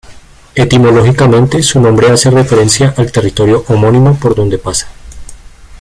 Etimológicamente su nombre hace referencia al territorio homónimo por donde pasa.